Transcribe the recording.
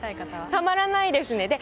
たまらないですね。